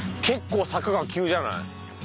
結構坂が急じゃない？